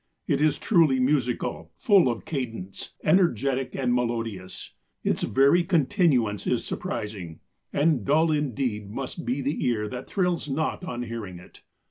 It is truly musical, full of cadence, energetic and melodious; its very continuance is surprising, and dull indeed must be the ear that thrills not on hearing it.